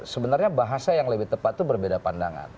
sebenarnya bahasa yang lebih tepat itu berbeda pandangan